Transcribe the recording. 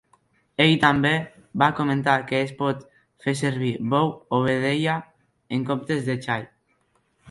Ell també va comentar que es pot fer servir bou o vedella en comptes de xai.